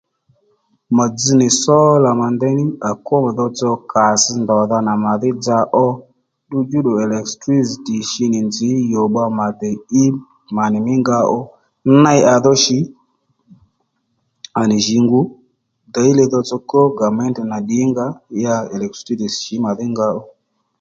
Mà dzz nì sólà mà ndeyní à kwó mà dhotsò kàss ndòdha nà màdhí dza ó ddu djúddù elèktrísìtì shi nì nzǐ yò bba mà dè í mà nì mí nga ó ney à dho shì à nì jǐ ngu děy li dhotsò kwó gàmétè nà ddǐngǎ ma elèktrísìtì shǐ màdhí nga ó